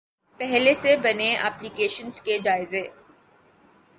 پہلے سے بنی ایپلی کیشنز کے جائزے